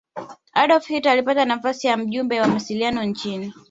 adolf hitler alipata nafasi ya mjumbe wa mawasiliano jeshini